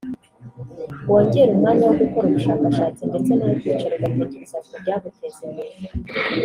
wongere umwanya wo gukora ubushakashatsi ndetse n'uwo kwicara ugatekereza ku byaguteza imbere